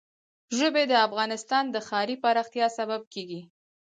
ژبې د افغانستان د ښاري پراختیا سبب کېږي.